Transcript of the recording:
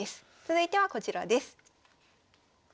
続いてはこちらです。